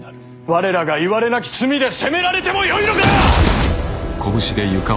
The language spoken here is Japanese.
我らがいわれなき罪で責められてもよいのか！